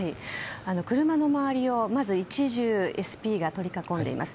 車の周りをまず１重ＳＰが取り囲んでいます。